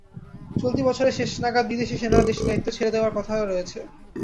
চলতি বছরের শেষ নাগাদ বিদেশি সেনারা দেশটির দায়িত্ব ছেড়ে দেওয়ার কথা রয়েছে।